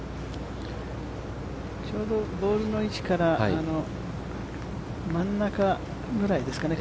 ちょうどボールの位置から真ん中ぐらいですかね。